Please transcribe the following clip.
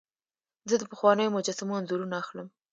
زه د پخوانیو مجسمو انځورونه اخلم.